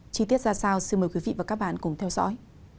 chi tiết ra sao xin mời quý vị và các bạn cùng theo dõi